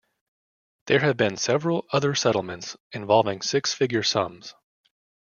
There have been several other settlements involving six figure sums.